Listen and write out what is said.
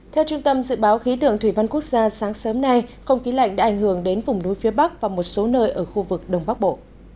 theo trung tâm dự báo khí tượng thủy văn quốc gia sáng sớm nay không khí lạnh đã ảnh hưởng đến vùng núi phía bắc và một số nơi ở khu vực đông bắc bộ